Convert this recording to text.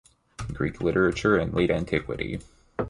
Greek Literature in Late Antiquity.